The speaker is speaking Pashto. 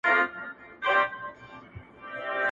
• یووار بیا درڅخه غواړم تور او سور زرغون بیرغ مي -